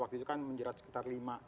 waktu itu kan menjerat sekitar lima